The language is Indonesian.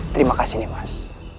terima kasih nimas